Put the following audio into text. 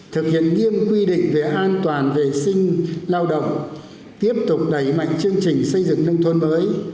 thực hiện nghiêm quy định về an toàn vệ sinh lao động tiếp tục đẩy mạnh chương trình xây dựng nông thôn mới